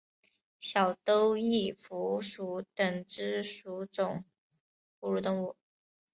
小兜翼蝠属等之数种哺乳动物。